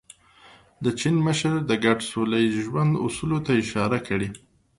د چین مشر د ګډ سوله ییز ژوند اصولو ته اشاره کړې.